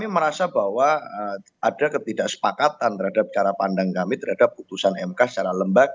saya merasa bahwa ada ketidaksepakatan terhadap cara pandang kami terhadap putusan mk secara lembaga